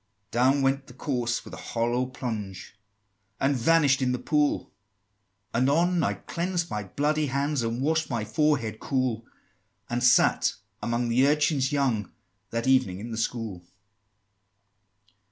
XXII. "Down went the corse with a hollow plunge, And vanish'd in the pool; Anon I cleansed my bloody hands, And wash'd my forehead cool, And sat among the urchins young, That evening in the school."